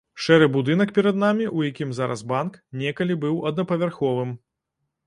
Шэры будынак перад намі, у якім зараз банк, некалі быў аднапавярховым.